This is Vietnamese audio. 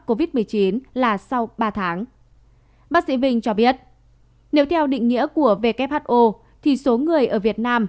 covid một mươi chín là sau ba tháng bác sĩ vinh cho biết nếu theo định nghĩa của who thì số người ở việt nam